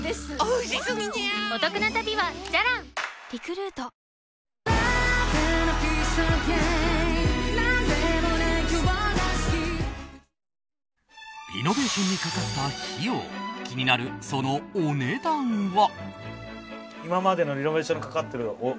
リノベーションにかかった費用気になるそのお値段は？